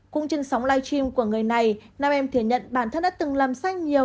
cũng trên sóng live stream của người này nam em thừa nhận bản thân đã từng làm xanh nhiều